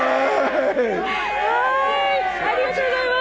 ありがとうございます。